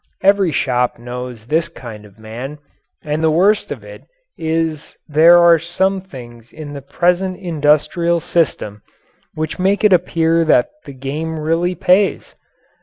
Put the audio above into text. Every shop knows this kind of man. And the worst of it is there are some things in the present industrial system which make it appear that the game really pays.